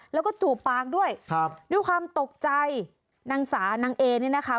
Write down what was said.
แล้วก็จูบปากด้วยครับด้วยความตกใจนางสานางเอเนี่ยนะคะ